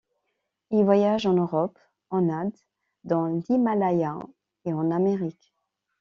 Il voyage en Europe, en Inde, dans l’Himalaya et en Amérique.